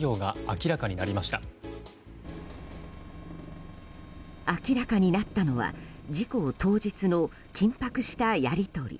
明らかになったのは事故当日の緊迫したやり取り。